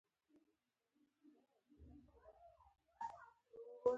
ژوندي د ژوند نغمه وايي